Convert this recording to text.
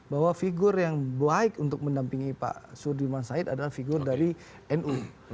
bahwa figur yang baik untuk mendampingi pak sudirman said adalah figur dari nu